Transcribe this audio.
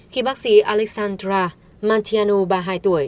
khi bác sĩ alexandra mantiano ba mươi hai tuổi